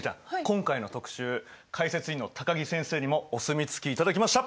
今回の特集解説委員の高木先生にもお墨付き頂きました。